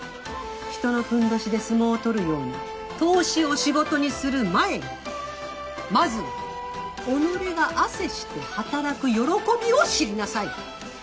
人のふんどしで相撲を取るような投資を仕事にする前にまずは己が汗して働く喜びを知りなさい。